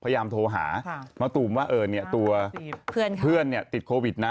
พยายามโทรหามะตูมว่าเออเนี่ยตัวเพื่อนเนี่ยติดโควิดนะ